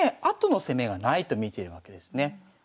あとの攻めがないと見てるわけですね。